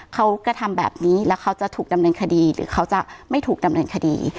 เขากระทำแบบนี้แล้วเขาจะถูกดำเนินคดีหรือเขาจะไม่ถูกดำเนินคดี